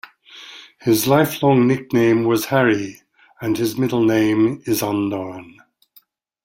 His lifelong nickname was "Harry", and his middle name is unknown.